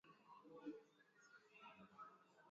lakini kwa sasa ameitaka juhudi za kupitisha bajeti